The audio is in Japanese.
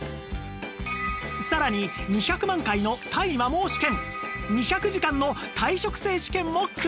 さらに２００万回の耐摩耗試験２００時間の耐食性試験もクリア！